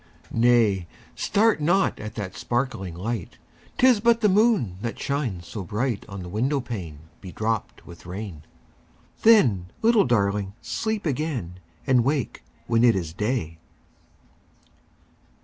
10 Nay! start not at that sparkling light; 'Tis but the moon that shines so bright On the window pane bedropped with rain: Then, little Darling! sleep again, And wake when it is day.